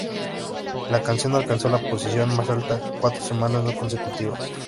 La canción alcanzó la posición más alta cuatro semanas no consecutivas.